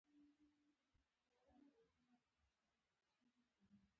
د مړي خوب لیدل د خیرات غوښتنه ده.